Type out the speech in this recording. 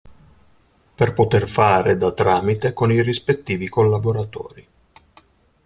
Per poter fare da tramite con i rispettivi collaboratori.